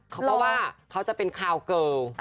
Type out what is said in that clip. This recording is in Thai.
เพราะว่าเขาจะเป็นคาวเกิล